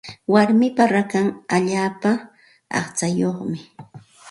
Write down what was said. Warmipa rakan allaapa aqchayuqmi.